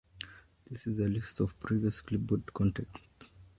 This is a list of previous Clipboard contents.